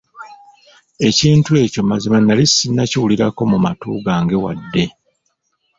Ekintu ekyo mazima nnali ssinnakiwulirako mu matu gange wadde.